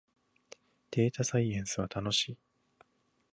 データサイエンスは楽しい